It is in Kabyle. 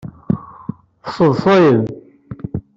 Teṣṣeḍṣayem.